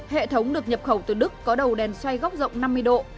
hệ thống được nhập khẩu từ đức có đầu đèn xoay góc rộng năm mươi độ